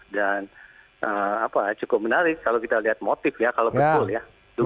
dan cukup menarik kalau kita lihat motif ya kalau betul ya